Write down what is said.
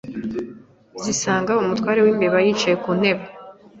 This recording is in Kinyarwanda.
zisanga umutware w'imbeba yicaye ku ntebe